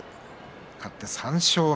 勝って３勝目。